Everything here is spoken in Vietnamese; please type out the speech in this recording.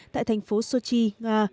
tại thành phố sochi nga